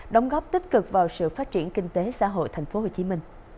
đóng góp tích cực vào sự phát triển kinh tế xã hội tp hcm